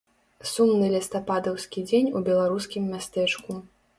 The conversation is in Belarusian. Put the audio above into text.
Сумны лістападаўскі дзень у беларускім мястэчку.